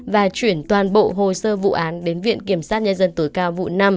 và chuyển toàn bộ hồ sơ vụ án đến viện kiểm sát nhân dân tối cao vụ năm